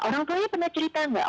orang tuanya pernah cerita nggak